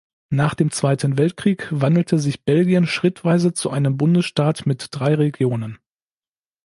Nach dem Zweiten Weltkrieg wandelte sich Belgien schrittweise zu einem Bundesstaat mit drei Regionen.